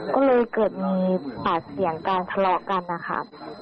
ก็เลยเกิดมีปากเสียงกันทะเลาะกันนะคะ